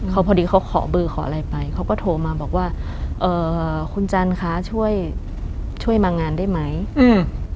เขาพอดีเขาขอเบอร์ขออะไรไปเขาก็โทรมาบอกว่าเอ่อคุณจันคะช่วยช่วยมางานได้ไหมอืม